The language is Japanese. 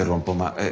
ええ。